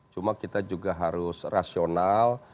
cuma kita juga harus rasional